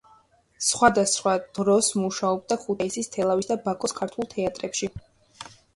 სხვადასხვა დროს მუშაობდა ქუთაისის, თელავის და ბაქოს ქართულ თეატრებში.